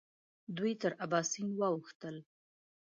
دوی تر اباسین واوښتل.